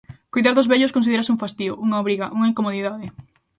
Coidar dos vellos considérase un fastío, unha obriga, unha incomodidade.